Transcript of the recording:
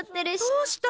どうしたの！